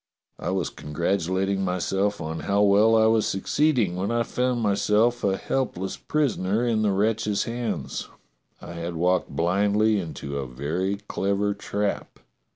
I was congratulating myself on how well I was succeeding, when I found myself a help less prisoner in the wretches' hands. I had walked blindly into a very clever trap.